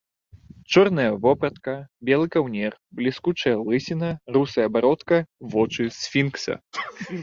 Чорная вопратка, белы каўнер, бліскучая лысіна, русая бародка, вочы сфінкса.